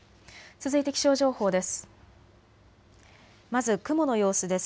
続いて気象情報です。